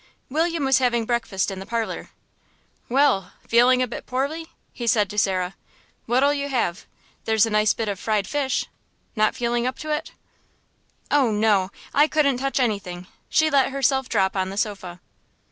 William was having breakfast in the parlour. "Well, feeling a bit poorly?" he said to Sarah. "What'll you have? There's a nice bit of fried fish. Not feeling up to it?" "Oh, no! I couldn't touch anything." She let herself drop on the sofa.